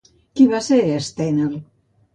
Qui va ser Estènel?